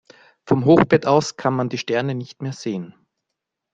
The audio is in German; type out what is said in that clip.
Vom Hochbett aus kann man die Sterne nicht mehr sehen.